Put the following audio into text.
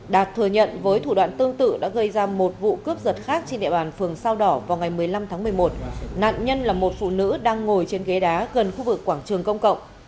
đạt thừa nhận với thủ đoạn tương tự đã gây ra một vụ cướp giật khác trên địa bàn phường sao đỏ vào ngày một mươi năm tháng một mươi một nạn nhân là một phụ nữ đang ngồi trên ghế đá gần khu vực quảng trường công cộng